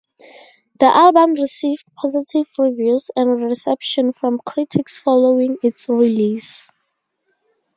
The album received positive reviews and reception from critics following its release.